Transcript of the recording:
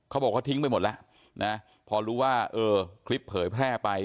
เขาบอกว่าทิ้งไปหมดแล้วนะพอรู้ว่าเออคลิปเผยแพร่ไป